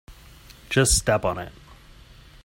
Just step on it.